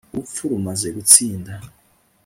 Urupfu rumaze gutsinda